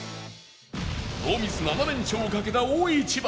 ノーミス７連勝をかけた大一番